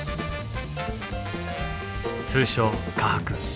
通称「科博」。